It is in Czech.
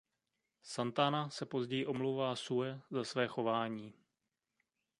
Santana se později omlouvá Sue za své chování.